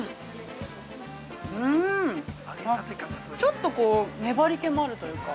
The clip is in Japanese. ちょっと粘り気もあるというか。